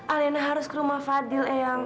alina harus ke rumah fadil ayang